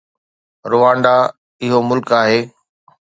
Rwanda اهو ملڪ آهي.